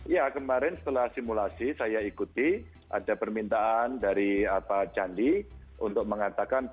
ya kemarin setelah simulasi saya ikuti ada permintaan dari candi untuk mengatakan